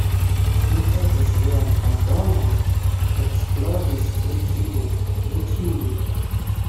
Mi petas vian pardonon, eksplodis li fine, ne ĉiu!